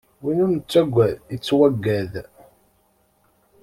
Win ur nettaggad, ittwaggad.